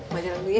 mau jalan dulu ya